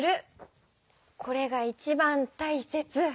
これが一番大切！